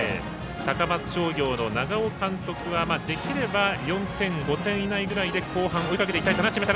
高松商業の長尾監督はできれば４点、５点ぐらいで後半、追いかけていきたいと話していました。